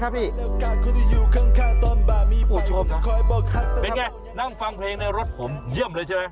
เป็นไงนั่งฟังเพลงในรถผมเยี่ยมเลยใช่ไหม